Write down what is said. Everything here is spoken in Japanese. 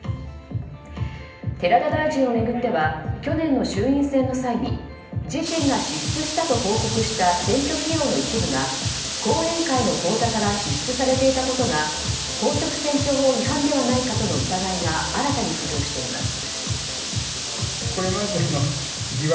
寺田大臣を巡っては去年の衆院選の際に自身が支出したと報告した選挙費用の一部が後援会の口座から支出されていたことが公職選挙法違反ではないかとの疑いが新たに浮上しています。